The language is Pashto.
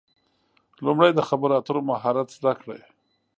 لومړی د خبرو اترو مهارت زده کړئ.